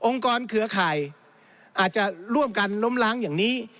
กรเครือข่ายอาจจะร่วมกันล้มล้างอย่างนี้